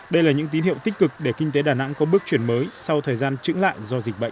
đây là những tín hiệu tích cực để kinh tế đà nẵng có bước chuyển mới sau thời gian trứng lại do dịch bệnh